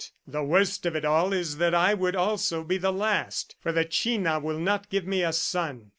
... The worst of it all is that I would also be the last, for the China will not give me a son.